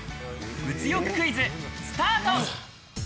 物欲クイズ、スタート！